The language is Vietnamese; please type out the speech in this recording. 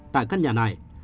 tại căn nhà này